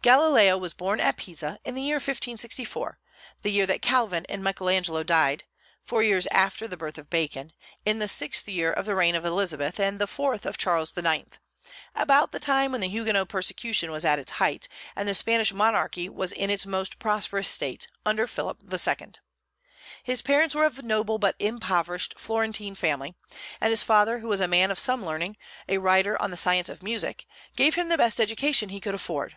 Galileo was born at Pisa, in the year 1564, the year that Calvin and Michael Angelo died, four years after the birth of Bacon, in the sixth year of the reign of Elizabeth, and the fourth of Charles IX., about the time when the Huguenot persecution was at its height, and the Spanish monarchy was in its most prosperous state, under Philip II. His parents were of a noble but impoverished Florentine family; and his father, who was a man of some learning, a writer on the science of music, gave him the best education he could afford.